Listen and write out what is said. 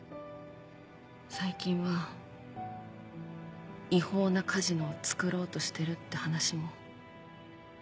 最近は違法なカジノをつくろうとしてるって話も。